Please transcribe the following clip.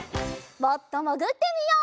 もっともぐってみよう。